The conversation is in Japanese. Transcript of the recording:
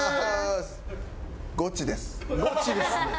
「ゴチ」ですね。